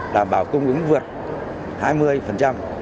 đảm bảo cung ứng vượt